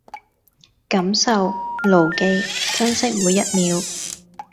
感受、牢記、珍惜每一秒